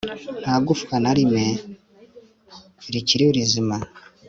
nta gufwa na rimwe rikiri rizima